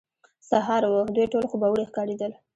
سهار وو، دوی ټول خوبوړي ښکارېدل.